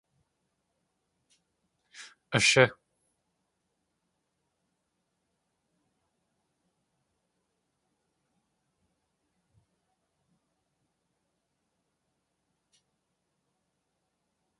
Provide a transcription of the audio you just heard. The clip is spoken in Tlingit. Ashí.